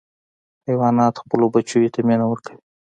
حیوانات خپلو بچیو ته مینه ورکوي.